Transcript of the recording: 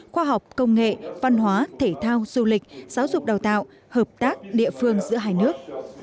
khoa học công nghệ văn hóa thể thao du lịch giáo dục đào tạo hợp tác địa phương giữa hai nước